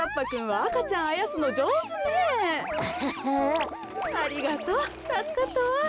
ありがとうたすかったわ。